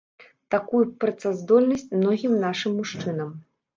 Такую б працаздольнасць многім нашым мужчынам!